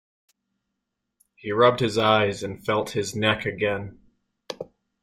He rubbed his eyes and felt his neck again.